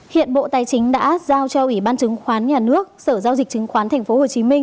hiện bộ tài chính đã giao cho ủy ban chứng khoán nhà nước sở giao dịch chứng khoán tp hcm